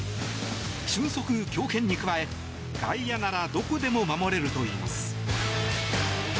俊足・強肩に加え、外野ならどこでも守れるといいます。